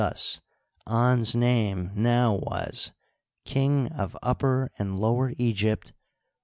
Thus An*s name now was King of Upper and Lower Egypt.